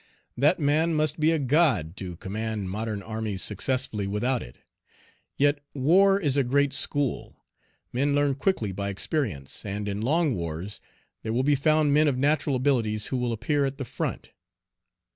That man must be a God to command modern armies successfully without it; yet war is a great school; men learn quickly by experience, and in long wars there will be found men of natural abilities who will appear at the front.